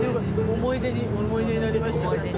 思い出に思い出になりました。